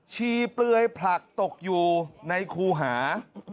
ชีเปลือยผลักตกอยู่ในคูหา